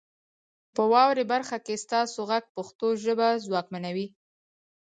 په واورئ برخه کې ستاسو غږ پښتو ژبه ځواکمنوي.